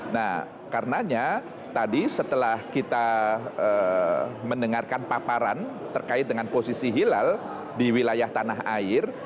nah karenanya tadi setelah kita mendengarkan paparan terkait dengan posisi hilal di wilayah tanah air